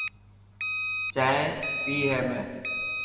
جائن پئي هي ۾.